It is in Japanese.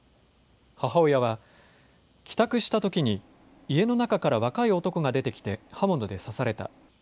母親は帰宅したときに家の中から若い男が出てきて刃物で刺された。